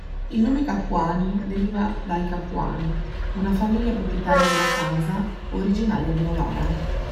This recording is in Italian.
Il nome "Capuani" deriva dai Capuani, una famiglia proprietaria della casa, originaria di Novara.